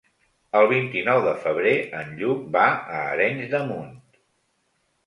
El vint-i-nou de febrer en Lluc va a Arenys de Munt.